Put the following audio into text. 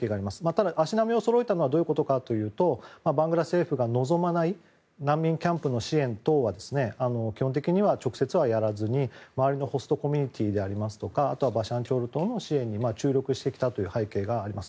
ただ、足並みをそろえたのはどういうことかというとバングラ政府が望まない難民キャンプの支援等は基本的には直接はやらずに周りのホストコミュニティーでありますとかあとはバシャンチャール島の支援に注力してきた背景があります。